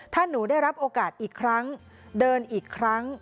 ถ้าหนูได้รับโอกาสอีกครั้งเดินอีกครั้ง